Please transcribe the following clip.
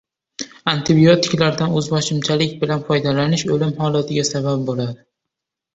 Antibiotiklardan o‘zboshimchalik bilan foydalanish o‘lim holatiga sabab bo‘ladi